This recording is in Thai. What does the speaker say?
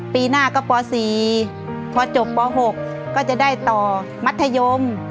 ปีหน้าก็ป๔พอจบป๖ก็จะได้ต่อมัธยม